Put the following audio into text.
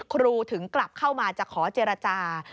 ครูถึงกลับเข้ามาจะขอเจรจา